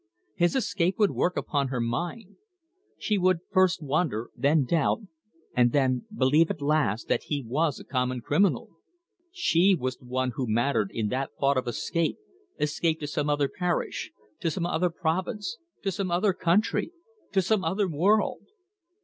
His escape would work upon her mind. She would first wonder, then doubt, and then believe at last that he was a common criminal. She was the one who mattered in that thought of escape escape to some other parish, to some other province, to some other country to some other world!